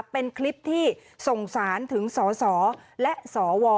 เป็นคลิปที่ส่งสารถึงสสและสว